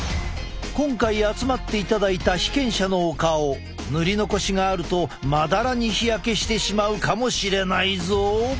今回集まっていただいた被験者のお顔塗り残しがあるとまだらに日焼けしてしまうかもしれないぞ。